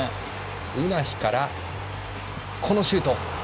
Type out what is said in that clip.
ウナヒからこのシュート。